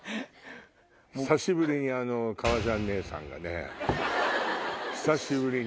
久しぶりに革ジャン姉さんがね久しぶりに。